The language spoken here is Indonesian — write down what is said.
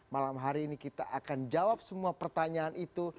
malam hari ini kita akan jawab semua pertanyaan itu